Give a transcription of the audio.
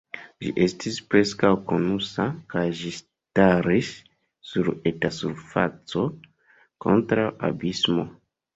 Ĝi estis preskaŭ konusa, kaj ĝi staris sur eta surfaco, kontraŭ abismo.